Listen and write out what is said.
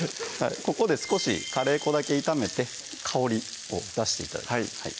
ここで少しカレー粉だけ炒めて香りを出して頂きます